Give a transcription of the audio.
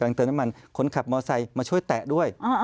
เติมเติมน้ำมันคนขับมอไซค์มาช่วยแตะด้วย